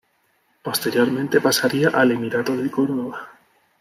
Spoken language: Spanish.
Posteriormente pasaría al Emirato de Córdoba.